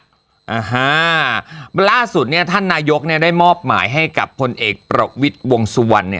เพราะล่าสุดเนี่ยท่านนายกได้มอบหมายให้กับคนเอกประวิทย์วงสุวรรณ